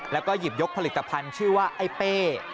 แล้วก็หยิบยกผลิตภัณฑ์ชื่อว่าไอ้เป้